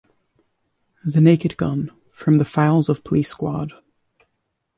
The Naked Gun: From the Files of Police Squad!